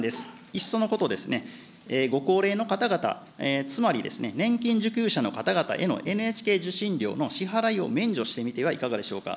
いっそのこと、ご高齢の方々、つまり、年金受給者の方々へのＮＨＫ受信料の支払いを免除してみてはいかがでしょうか。